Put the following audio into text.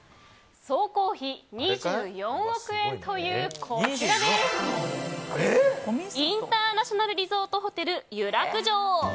総工費２４億円というインターナショナルリゾートホテル湯楽城。